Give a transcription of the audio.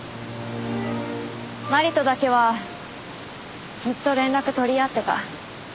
麻里とだけはずっと連絡取り合ってた。